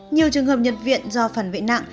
nhiều trường hợp nhập viện do phản vệ nặng